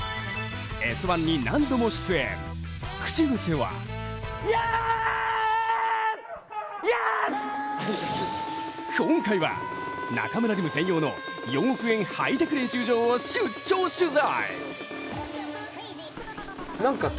「Ｓ☆１」に何度も出演、口癖は今回は中村輪夢専用の４億円ハイテク練習場を出張取材。